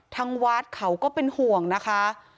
ทางวัดเขาก็เป็นห่วงนะคะ